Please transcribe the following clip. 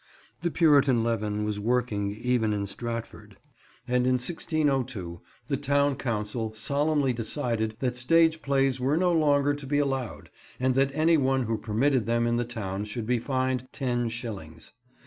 The puritan leaven was working even in Stratford, and in 1602 the town council solemnly decided that stage plays were no longer to be allowed, and that any one who permitted them in the town should be fined ten shillings.